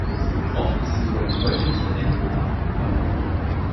Oft ist sie sogar die häufigste Entenart überhaupt.